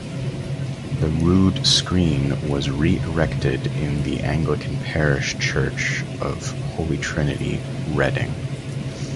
The rood screen was re-erected in the Anglican parish church of Holy Trinity, Reading.